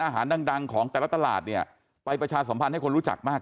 ดังของแต่ละตลาดเนี่ยไปประชาสัมพันธ์ให้คนรู้จักมาก